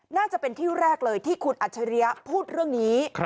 น่าจะเป็นที่แรกเลยที่คุณอัจฉริยะพูดเรื่องนี้